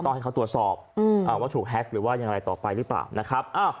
ให้เขาตรวจสอบว่าถูกแฮ็กหรือว่ายังไงต่อไปหรือเปล่านะครับ